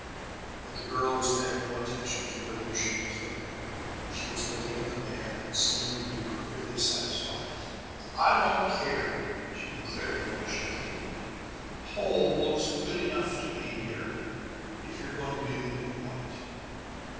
But the girl was paying no attention to where the machine was going. She was looking at the man and seeming to be perfectly satisfied. "I don't care," she declared a little shakily. "Holl looks good enough to me, dear if you're going to be living on it!"